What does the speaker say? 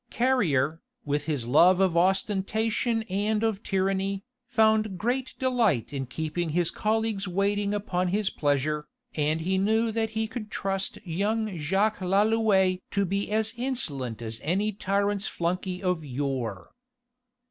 Carrier, with his love of ostentation and of tyranny, found great delight in keeping his colleagues waiting upon his pleasure, and he knew that he could trust young Jacques Lalouët to be as insolent as any tyrant's flunkey of yore.